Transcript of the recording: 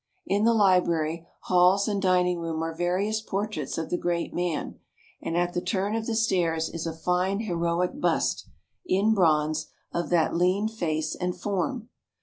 In the library, halls and dining room are various portraits of the great man, and at the turn of the stairs is a fine heroic bust, in bronze, of that lean face and form.